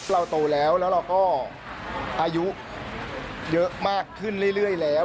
เราโตแล้วแล้วเราก็อายุเยอะมากขึ้นเรื่อยแล้ว